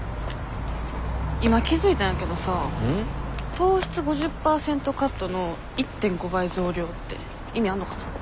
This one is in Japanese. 糖質５０％カットの１．５倍増量って意味あんのかな？